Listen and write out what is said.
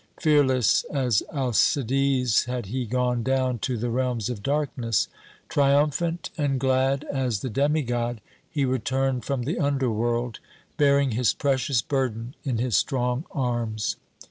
Fearless as Alcides had he gone down to the realms of darkness; triumphant and glad as the demigod he returned from the under world, bearing his precious burden in his strong arms.